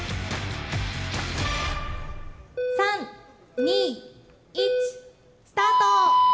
３２１スタート！